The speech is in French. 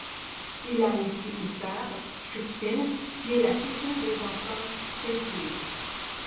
Il a aussi une sœur, Cristin, qui est la plus jeune des enfants Teutul.